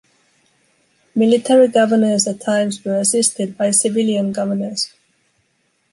Military governors at times were assisted by civilian governors.